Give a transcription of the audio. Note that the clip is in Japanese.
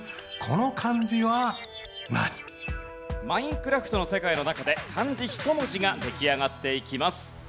『マインクラフト』の世界の中で漢字１文字が出来上がっていきます。